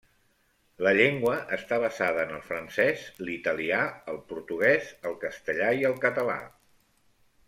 La llengua està basada en el francès, l'italià, el portuguès, el castellà i el català.